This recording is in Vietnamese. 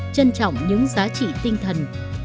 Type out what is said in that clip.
trân trọng những giá trị tinh thần